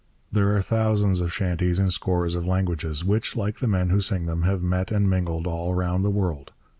There are thousands of chanties in scores of languages, which, like the men who sing them, have met and mingled all round the world.